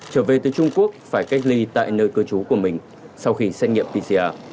trở về từ trung quốc phải cách ly tại nơi cư trú của mình sau khi xét nghiệm pcr